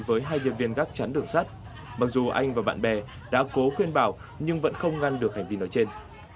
với hai điệp viên gắt chắn đường sắt mặc dù anh và bạn bè đã cố khuyên bảo nhưng vẫn không ngăn được hành vi nói trên